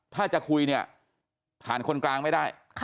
ถ้าจะคุยเนี่ยผ่านคนกลางไม่ได้